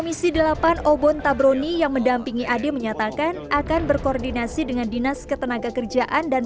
misi delapan obon tabroni yang mendampingi ade menyatakan akan berkoordinasi dengan dinas ketenagakerjaan dan